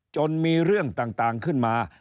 จนมีเรื่องต่างขึ้นมา